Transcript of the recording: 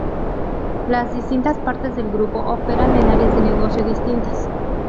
Las distintas partes del grupo operan en áreas de negocio distintas.